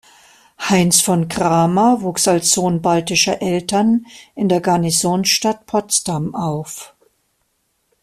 Heinz von Cramer wuchs als Sohn baltischer Eltern in der Garnisonsstadt Potsdam auf.